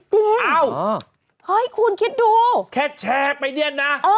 เฮ้ยคุณคิดดูอ้าวโอ้ยอุ๊ย